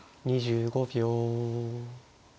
２５秒。